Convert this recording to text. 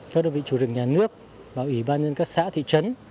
các đơn vị chủ rừng nhà nước và ủy ban nhân các xã thị trấn